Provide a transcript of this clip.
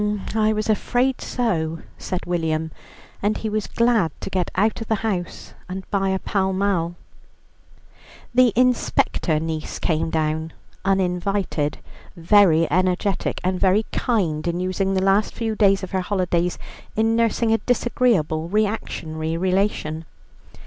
"Um! I was afraid so," said William, and he was glad to get out of the house, and buy a Pall Mall. The inspector niece came down (uninvited), very energetic, and very kind in using the last few days of her holidays in nursing a disagreeable reactionary relation.